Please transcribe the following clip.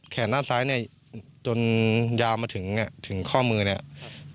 ด้านซ้ายเนี่ยจนยาวมาถึงเนี่ยถึงข้อมือเนี่ย